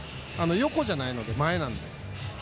横じゃないので、前なので。